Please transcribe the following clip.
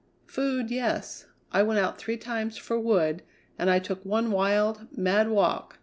"Food yes; I went out three times for wood, and I took one wild, mad walk.